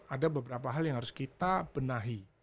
ada beberapa hal yang harus kita benahi